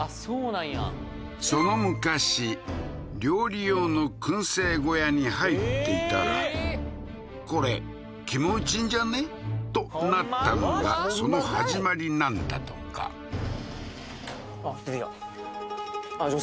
なんやその昔料理用の燻製小屋に入っていたら「これ、気持ち良いんじゃね？」と、なったのがその始まりなんだとかあっ出てきた